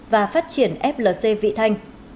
và phát triển flc vị thanh